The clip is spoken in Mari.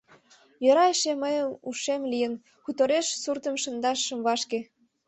Йӧра эше мыйын ушем лийын, хутореш суртым шындаш шым вашке.